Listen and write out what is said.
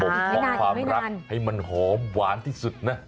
ไปตามรักให้มันหอมหวานที่สุดนะ